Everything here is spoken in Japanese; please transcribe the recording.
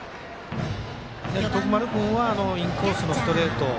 徳丸君はインコースのストレート